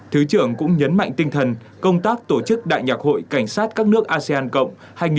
thứ trưởng cũng nhấn mạnh tinh thần công tác tổ chức đại nhạc hội cảnh sát các nước asean cộng